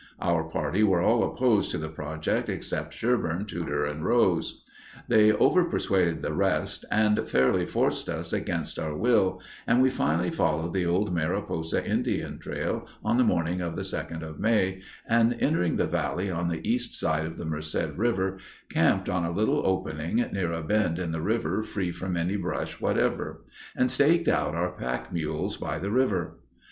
Our party were all opposed to the project except Sherburn, Tudor, and Rose. They over persuaded the rest and fairly forced us against our will, and we finally followed the old Mariposa Indian trail on the morning of the 2nd of May, and entering the Valley on the East side of the Merced River, camped on a little opening, near a bend in the River free from any brush whatever, and staked out our pack mules by the river.